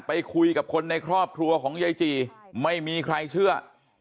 ไปคุยกับคนในครอบครัวของยายจีไม่มีใครเชื่อ